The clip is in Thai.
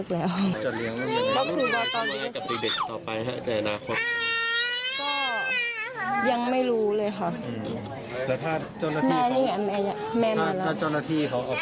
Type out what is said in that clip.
แม่โอเคหรือไม่